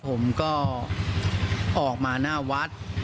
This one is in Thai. ผมก็ออกมาหน้าวัด